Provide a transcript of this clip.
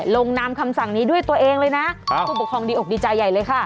ลงนามคำสั่งนี้ด้วยตัวเองเลยนะผู้ปกครองดีอกดีใจใหญ่เลยค่ะ